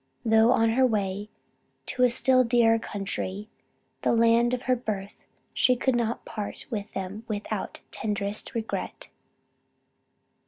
Though on her way to a still dearer country, the land of her birth, she could not part with them without the tenderest regret.